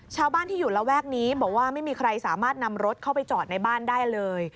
ชาวบ้านที่อยู่ระแวกนี้บอกว่าไม่มีใครสามารถนำรถเข้าไปจอดในบ้านได้เลย